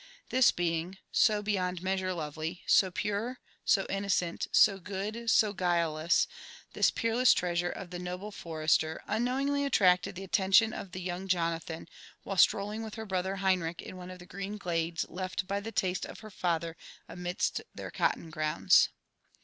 This heing, so beyond measure lovely, so pure, so innocent, so gsod, so guilele8B, < 4bis peerless treasure of the noble forester, un 4S UPC AND ADVENTURES OP koowiDgly attracted the attention of the young Jonathan, while stroUiDg with her hrother Henrich in one of the green glades left by the taate of her father amidst their cotton grounds.